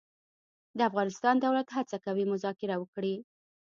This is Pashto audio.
د افغانستان دولت هڅه کوي مذاکره وکړي.